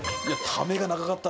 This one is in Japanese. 「ためが長かった」